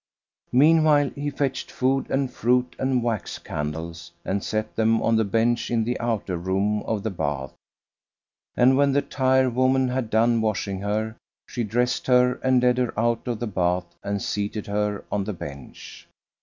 Meanwhile he fetched food and fruit and wax candles and set them on the bench in the outer room of the bath; and when the tire woman had done washing her, she dressed her and led her out of the bath and seated her on the bench.